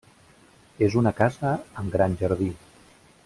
És una casa amb gran jardí.